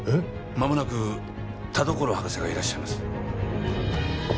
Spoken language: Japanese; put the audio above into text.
まもなく田所博士がいらっしゃいます